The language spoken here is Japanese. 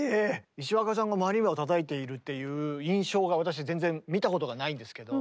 石若さんがマリンバをたたいているっていう印象が私全然見たことがないんですけど。